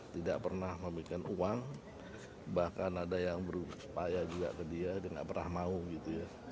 tidak pernah memberikan uang bahkan ada yang berupaya juga ke dia dia nggak pernah mau gitu ya